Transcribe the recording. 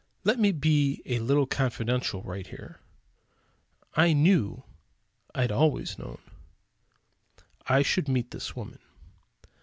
Let me be a little confidential right here. I knew, I had always known, I should meet this woman.